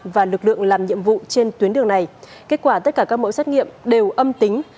và lực lượng làm nhiệm vụ trên tuyến đường này kết quả tất cả các mẫu xét nghiệm đều âm tính